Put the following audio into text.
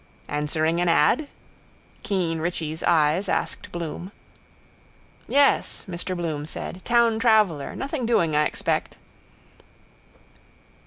—Answering an ad? keen Richie's eyes asked Bloom. —Yes, Mr Bloom said. Town traveller. Nothing doing, I expect.